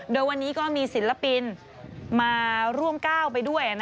โดยวันนี้ก็มีศิลปินมาร่วมก้าวไปด้วย